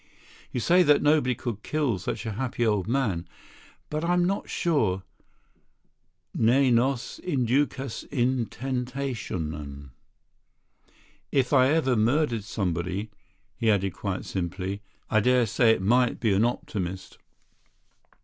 You say that nobody could kill such a happy old man, but I'm not sure; ne nos inducas in tentationem. If ever I murdered somebody," he added quite simply, "I dare say it might be an Optimist."